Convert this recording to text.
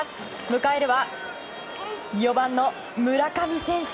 迎えるは４番の村上選手。